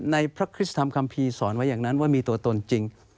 ในพระคริสตธรรมคัมภีร์สอนไว้อย่างนั้นว่ามีตัวตนจริง